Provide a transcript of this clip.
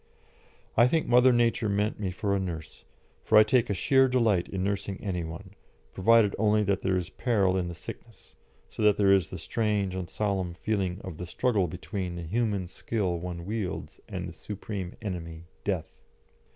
I think Mother Nature meant me for a nurse, for I take a sheer delight in nursing any one, provided only that there is peril in the sickness, so that there is the strange and solemn feeling of the struggle between the human skill one wields and the supreme enemy, Death.